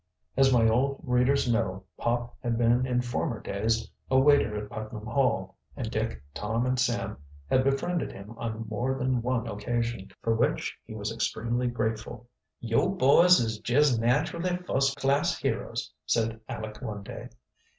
As my old readers know, Pop had been in former days a waiter at Putnam Hall, and Dick, Tom, and Sam had befriended him on more than one occasion, for which he was extremely grateful. "Yo' boys is jes' naturally fust class heroes," said Aleck one day.